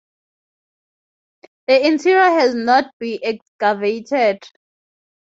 The interior has not be excavated.